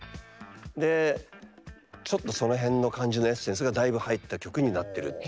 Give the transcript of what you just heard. でちょっとその辺の感じのエッセンスがだいぶ入った曲になってるっていう。